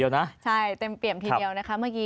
อย่ามองปัญหาให้เป็นปัญหา